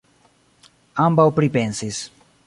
Ambaŭ pripensis.